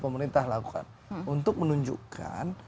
pemerintah lakukan untuk menunjukkan